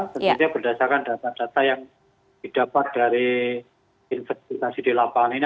tentunya berdasarkan data data yang didapat dari investigasi di lapangan ini